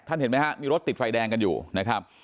เห็นไหมฮะมีรถติดไฟแดงกันอยู่นะครับ